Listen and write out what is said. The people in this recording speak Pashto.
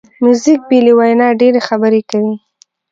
موزیک بې له وینا ډېری خبرې کوي.